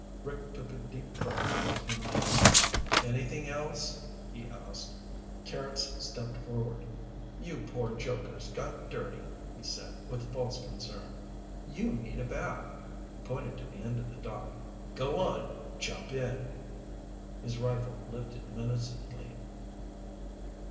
Rick took a deep breath of clean air. "Anything else?" he asked. Carrots stepped forward. "You poor jokers got dirty," he said with false concern. "You need a bath." He pointed to the end of the dock. "Go on, jump in." His rifle lifted menacingly.